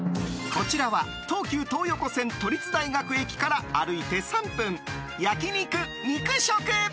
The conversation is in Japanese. こちらは東急東横線都立大学駅から歩いて３分、焼肉肉食。